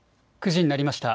９時になりました。